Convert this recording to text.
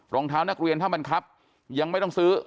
รองเท้านักเรียนถ้ามันครับยังไม่ต้องซื้อ